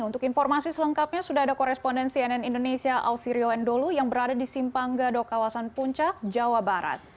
untuk informasi selengkapnya sudah ada koresponden cnn indonesia ausirio endolu yang berada di simpang gadok kawasan puncak jawa barat